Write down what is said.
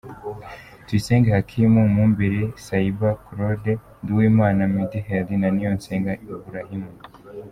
Tuyisenge Hakimu, Mumbele Sayiba korode, Nduwimana Midheli na Niyonsenga Iburahimu.